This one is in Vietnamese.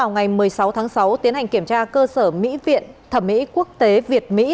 ngày một mươi sáu tháng sáu tiến hành kiểm tra cơ sở mỹ viện thẩm mỹ quốc tế việt mỹ